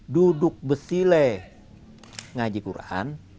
duduk besile ngaji quran